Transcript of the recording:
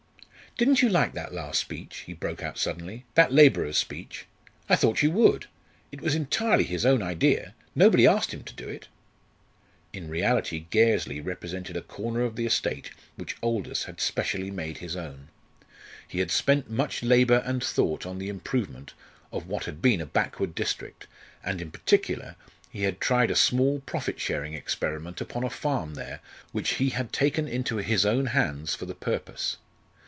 "Didn't you like that last speech?" he broke out suddenly "that labourer's speech? I thought you would. It was entirely his own idea nobody asked him to do it." In reality Gairsley represented a corner of the estate which Aldous had specially made his own. He had spent much labour and thought on the improvement of what had been a backward district, and in particular he had tried a small profit sharing experiment upon a farm there which he had taken into his own hands for the purpose.